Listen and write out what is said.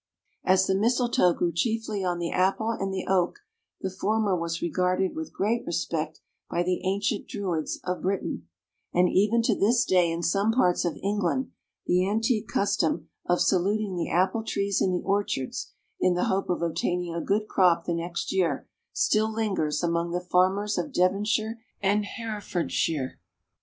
As the mistletoe grew chiefly on the apple and the oak, the former was regarded with great respect by the ancient Druids of Britain, and even to this day in some parts of England, the antique custom of saluting the apple trees in the orchards, in the hope of obtaining a good crop the next year, still lingers among the farmers of Devonshire and Herefordshire.